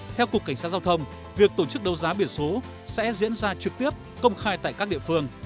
theo cục cảnh sát giao thông việc tổ chức đấu giá biển số sẽ diễn ra trực tiếp công khai tại các địa phương